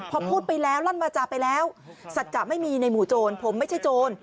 พอพูดไปแล้วลั่นวาจาไปแล้วสัจจะไม่มีในหมู่โจรผมไม่ใช่โจร